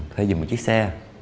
phải dùng một chiếc xe